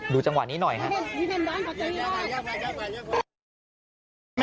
จังหวะนี้หน่อยครับ